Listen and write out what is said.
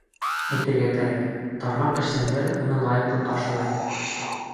Әйтергә кәрәк, тармаҡ эшсәндәре уны лайыҡлы ҡаршылай.